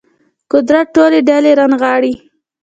قدرت ټولې ډلې رانغاړي